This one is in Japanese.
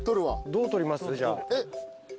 どう撮ります？